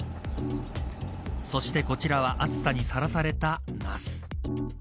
そしてこちらは暑さにさらされたナス。